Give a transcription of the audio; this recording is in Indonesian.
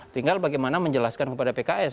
tinggal bagaimana menjelaskan kepada pks